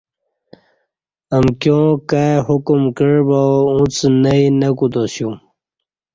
امکیاں کائی حکم کع با اݩڅ نئ نہ کوتاسیوم